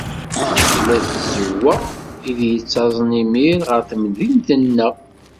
Tella tzawwa i d-yettaẓen imir ɣer temdint-nneɣ.